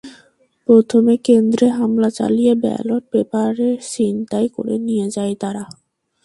প্রথমে কেন্দ্রে হামলা চালিয়ে ব্যালট পেপার ছিনতাই করে নিয়ে যায় তারা।